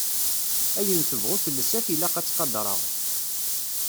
Ayen tebɣu telsa-t ilaq ad tt-qadreɣ.